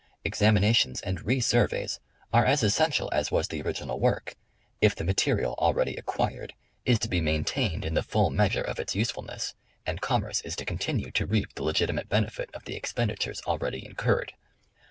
Examinations and re surveys are as essential as was the original work, if the material already acquired is to be maintained in the full measure The Survey of the Coast. 75 of its usefulness, and commerce is to continue to reap the legiti mate benefit of the expenditures already incurred.